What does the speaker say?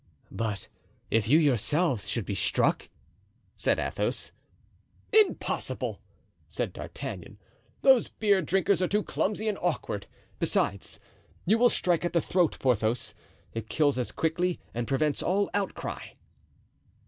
"But if you yourselves should be struck?" said Athos. "Impossible!" said D'Artagnan; "those beer drinkers are too clumsy and awkward. Besides, you will strike at the throat, Porthos; it kills as quickly and prevents all outcry."